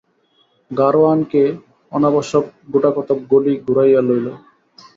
গাড়োয়ানকে অনাবশ্যক গোটাকতক গলি ঘুরাইয়া লইল।